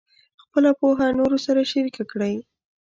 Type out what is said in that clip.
خپله پوهه نورو سره شریکه کړئ.